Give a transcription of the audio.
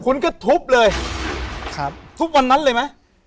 คุณก็ทุบเลยทุบวันนั้นเลยมั้ย